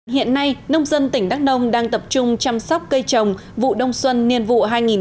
hiện nay nông dân tỉnh đắk nông đang tập trung chăm sóc cây trồng vụ đông xuân niên vụ hai nghìn một mươi sáu hai nghìn một mươi bảy